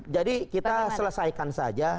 jadi kita selesaikan saja